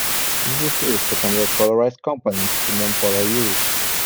This is used to convert polarised components to non-polar use.